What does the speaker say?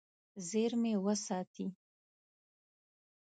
زیرمې وساتي.